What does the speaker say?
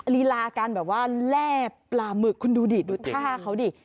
รีลาการแร่ปลาหมึกคุณดูดิดูท่าเขาดิ